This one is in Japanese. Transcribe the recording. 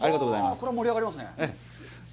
これは盛り上がりますね。